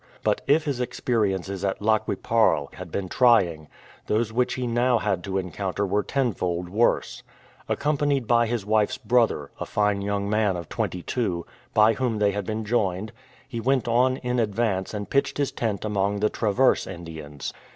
But if his experiences at Lac qui parle had been trying, those which he now had to encounter were tenfold worse. Accompanied by his wife's brother, a fine young man of twenty two, by whom they had been joined, he went on in advance and pitched his tent among the Traverse Indians.